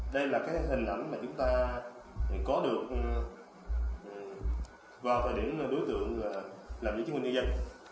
đây là các hình ảnh mà chúng ta có được vào thời điểm đối tượng làm giấy chứng minh nhân dân